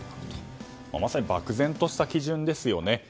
まさに漠然とした基準ですよね。